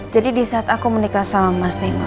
jadi disaat aku menikah sama mas nino